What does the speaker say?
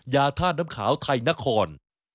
ยาท่าน้ำขาวไทยนคร